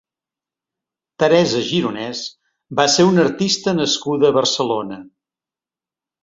Teresa Gironès va ser una artista nascuda a Barcelona.